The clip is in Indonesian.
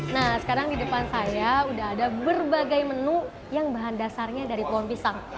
nah sekarang di depan saya sudah ada berbagai menu yang bahan dasarnya dari pohon pisang